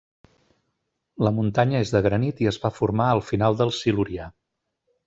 La muntanya és de granit i es va formar al final del Silurià.